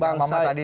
yang mama tadi